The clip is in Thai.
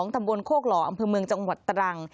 ตำบลโคกหล่ออำเภอเมืองจังหวัดตรัง